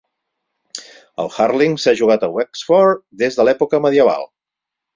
El hurling s'ha jugat a Wexford des de la època medieval.